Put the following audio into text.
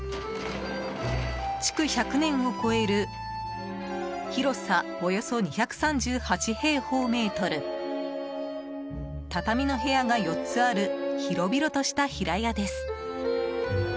築１００年を超える広さ、およそ２３８平方メートル畳の部屋が４つある広々とした平屋です。